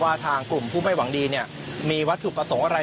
ทางกลุ่มผู้ไม่หวังดีมีวัตถุประสงค์อะไร